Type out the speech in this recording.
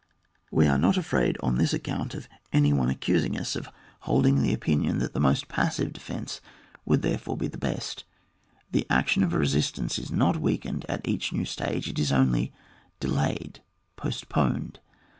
We are not afraid on this account of any one accusing us of holding the opinion that the most passive defence would therefore be the best. The action of resistance Is not weakened at each new stage, it is only delayed, postponed.